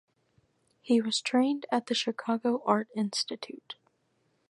He was trained at the Chicago Art Institute.